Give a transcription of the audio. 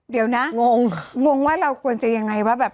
เดี๋ยวนะงงว่าเราควรจะยังไงวะ